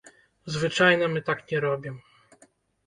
Звычайна мы так не робім.